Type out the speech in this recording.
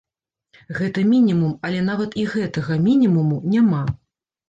Гэта мінімум, але нават і гэтага мінімуму няма.